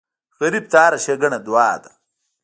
غریب ته هره ښېګڼه دعا ده